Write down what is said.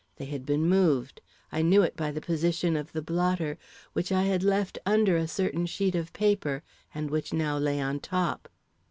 They had been moved. I knew it by the position of the blotter, which I had left under a certain sheet of paper, and which now lay on top.